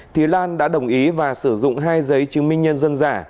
thì lan đã đồng ý và sử dụng hai giấy chứng minh nhân dân giả